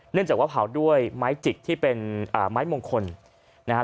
จากว่าเผาด้วยไม้จิกที่เป็นไม้มงคลนะฮะ